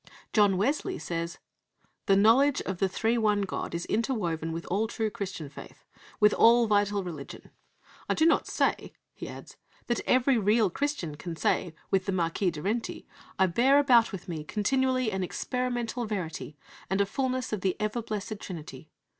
John Wesley says: "The knowledge of the Three One God is interwoven with all true Christian faith, with all vital religion. I do not say," he adds, "that every real Christian can say, with the Marquis de Renty, 'I bear about with me continually an experimental verity, and a fullness of the ever blessed Trinity.